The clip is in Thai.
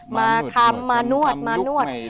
มาคำมานวดมานวด